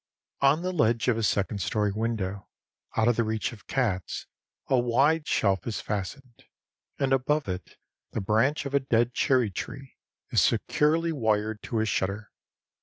On the ledge of a second story window, out of the reach of cats, a wide shelf is fastened, and above it the branch of a dead cherry tree is securely wired to a shutter.